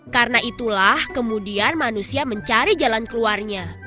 karena itulah kemudian manusia mencari jalan keluarnya